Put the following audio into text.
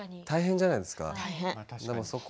大変じゃないですか。